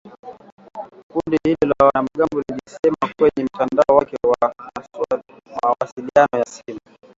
Kundi hilo la wanamgambo lilisema kwenye mtandao wake wa mawasiliano ya simu